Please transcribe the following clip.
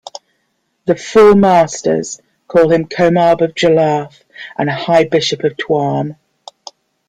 The "Four Masters" call him Comarb of Jarlath and High Bishop of Tuam.